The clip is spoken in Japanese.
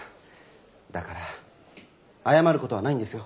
だから謝る事はないんですよ。